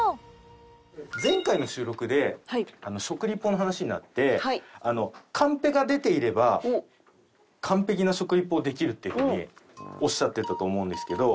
前回の収録で食リポの話になってカンペが出ていれば完璧な食リポをできるっていうふうにおっしゃってたと思うんですけど。